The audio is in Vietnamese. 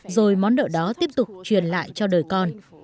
rồi món nợ đó tiếp tục truyền lại cho đời con